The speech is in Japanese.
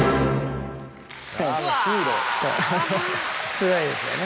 すごいですよね。